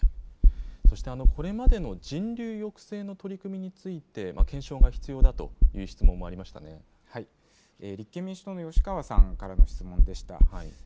そして、これまでの人流抑制の取り組みについて、検証が必要立憲民主党の吉川さんからの質問でした。